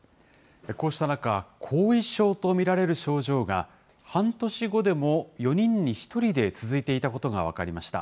こうした中、後遺症と見られる症状が、半年後でも４人に１人で続いていたことが分かりました。